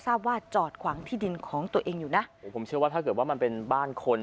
ทราบว่าจอดขวางที่ดินของตัวเองอยู่นะโอ้ผมเชื่อว่าถ้าเกิดว่ามันเป็นบ้านคน